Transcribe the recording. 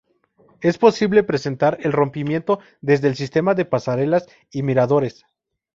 Es posible presenciar el rompimiento desde el sistema de pasarelas y miradores.